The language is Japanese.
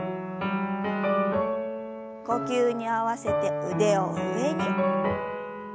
呼吸に合わせて腕を上に。